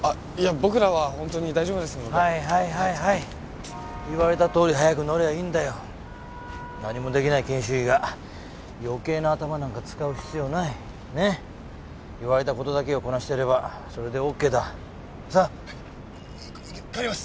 僕らは本当に大丈夫ですので言われたとおり早く乗りゃいいんだよ何もできない研修医が余計な頭なんか使う必要ない言われたことだけをこなしてればそれでＯＫだ帰ります